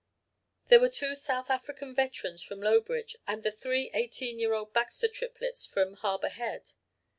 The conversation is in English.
There were two South African veterans from Lowbridge, and the three eighteen year old Baxter triplets from Harbour Head.